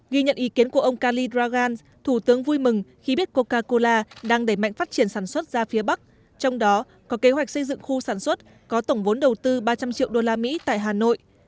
ghi nhận ý kiến của ông kali dragan thủ tướng vui mừng khi biết coca cola đang đẩy mạnh phát triển sản xuất ra phía bắc trong đó có kế hoạch xây dựng khu sản xuất có tổng vốn đầu tư ba trăm linh triệu usd tại hà nội